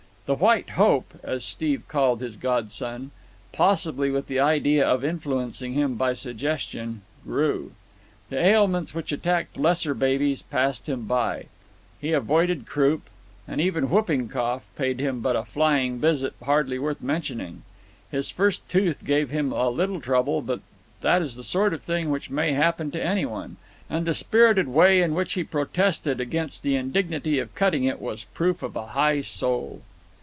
The White Hope, as Steve called his godson—possibly with the idea of influencing him by suggestion—grew. The ailments which attacked lesser babies passed him by. He avoided croup, and even whooping cough paid him but a flying visit hardly worth mentioning. His first tooth gave him a little trouble, but that is the sort of thing which may happen to anyone; and the spirited way in which he protested against the indignity of cutting it was proof of a high soul.